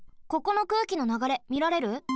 ここの空気のながれみられる？